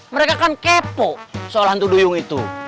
mereka kan kepo soal hantu duyung itu